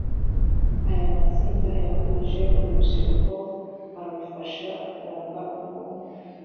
aya matsinda yahuje urubyiruko arufasha kunga ubumwe